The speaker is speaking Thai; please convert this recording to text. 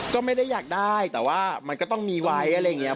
ก็ไม่ได้อยากได้แต่ว่ามันก็ต้องมีไว้อะไรอย่างนี้